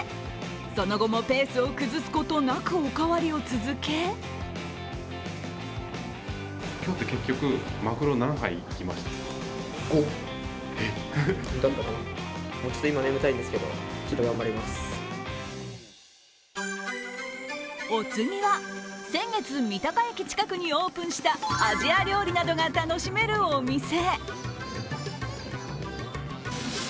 その後もペースを崩すことなくおかわりを続けお次は、先月、三鷹駅近くにオープンしたアジア料理などが楽しめるお店。